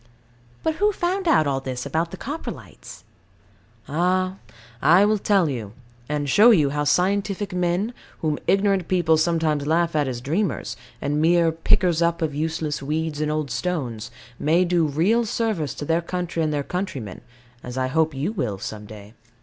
But who found out all this about the Coprolites? Ah I will tell you; and show you how scientific men, whom ignorant people sometimes laugh at as dreamers, and mere pickers up of useless weeds and old stones, may do real service to their country and their countrymen, as I hope you will some day.